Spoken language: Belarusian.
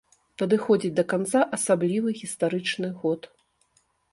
Падыходзіць да канца асаблівы, гістарычны год!